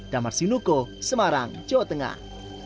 damar sinuko semarang jawa tengah